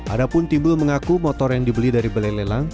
adapun timbul mengaku motor yang dibeli dari bele lelang